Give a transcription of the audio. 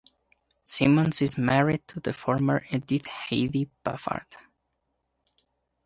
Simmons is married to the former Edith Heidi Paffard.